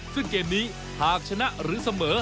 ซึ่งเกมนี้หากชนะหรือเสมอ